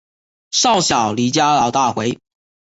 少小离家老大回